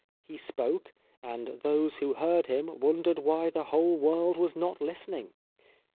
He spoke, and those who heard him wondered why the whole world was not listening.